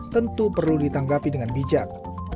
tentu perlu ditanggapi dengan bijak